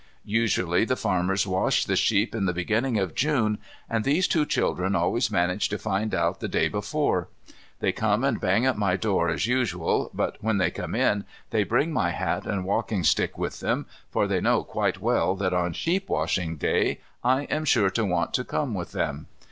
Usually the farmers wash the sheep in the beginning of June, and these two children always manage to find out the day before. They come and bang at my door as usual, but when they come in they bring my hat and walking stick with them, for they know quite well that on sheep washing day I am sure to want to come with them.